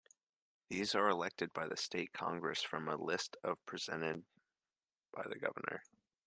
These are elected by the state congress from a list presented by the governor.